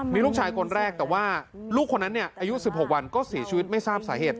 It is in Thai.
มีลูกชายคนแรกแต่ว่าลูกคนนั้นอายุ๑๖วันก็เสียชีวิตไม่ทราบสาเหตุ